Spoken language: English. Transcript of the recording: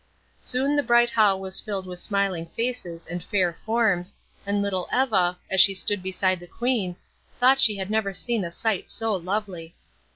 Soon the bright hall was filled with smiling faces and fair forms, and little Eva, as she stood beside the Queen, thought she had never seen a sight so lovely.